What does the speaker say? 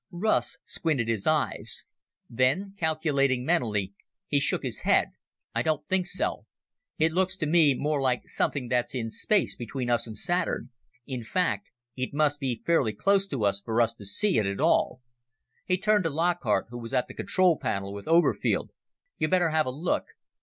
Russ squinted his eyes; then, calculating mentally, he shook his head, "I don't think so. It looks to me more like something that's in space between us and Saturn. In fact it must be fairly close to us for us to see it at all." He turned to Lockhart who was at the control panel with Oberfield. "You'd better have a look.